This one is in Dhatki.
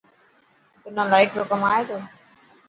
تنا لائٽ رو ڪم آڻي تو.